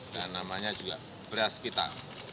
dan namanya juga beras kita